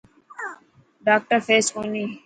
ڊاڪٽر فيس ڪوني.